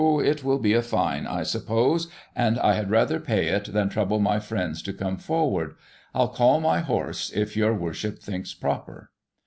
It will be a fine, I suppose, and I had rather pay it than trouble my friends to come forward I'll call my horse, if your Worship thinks proper.